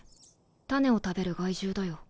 種を食べる害獣だよ。